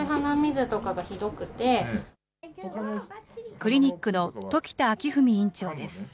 クリニックの時田章史院長です。